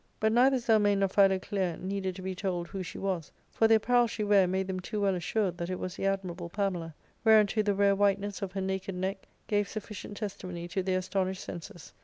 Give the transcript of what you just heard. But neither Zelmane nor Philoclea needed to be told who she was, for the apparel she ware made them too well assured that it was the admirable Pamela ; whereunto the rare whiteness of her naked neck gave sufficient testimony to their astonished senses.